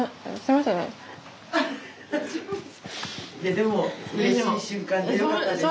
いやでもうれしい瞬間でよかったです。